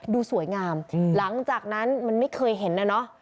ดูสวยงามหลังจากนั้นมันไม่เคยเห็นนะเนาะ